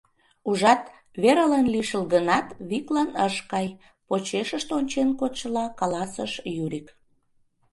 — Ужат, Вералан лишыл гынат, виклан ыш кай, — почешышт ончен кодшыла, каласыш Юрик.